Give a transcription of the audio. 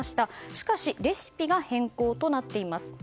しかしレシピが変更となっています。